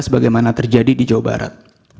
sebagaimana terjadi di jawa barat